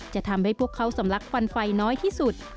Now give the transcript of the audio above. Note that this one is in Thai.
จะทำให้พวกเขาสำลักควันไฟน้อยที่สุด